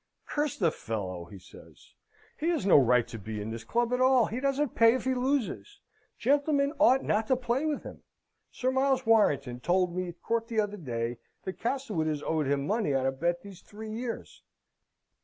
"Curse the fellow!" he says. "He has no right to be in this club at all. He doesn't pay if he loses. Gentlemen ought not to play with him. Sir Miles Warrington told me at court the other day, that Castlewood has owed him money on a bet these three years."